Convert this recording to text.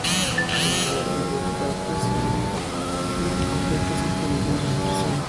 Ninguna de las dos partes del conflicto aceptó dicha resolución.